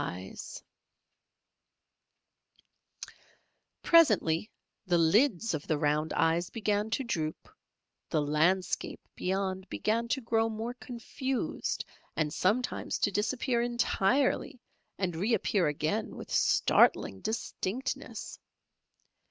Presently the lids of the round eyes began to droop, the landscape beyond began to grow more confused, and sometimes to disappear entirely and reappear again with startling distinctness.